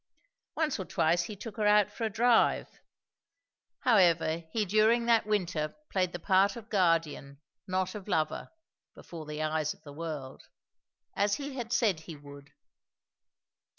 Once or twice he took her out for a drive; however, he during that winter played the part of guardian, not of lover, before the eyes of the world; as he had said he would.